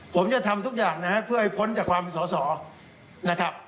ผมจะทำทุกอย่างนะครับเพื่อให้พ้นจากความสอสอนะครับ